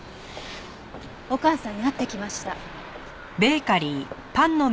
お母さんに会ってきました。